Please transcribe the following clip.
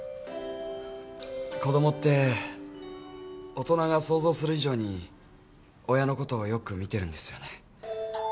子供って大人が想像する以上に親のことをよく見てるんですよね。